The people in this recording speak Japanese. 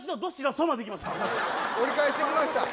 折り返してきました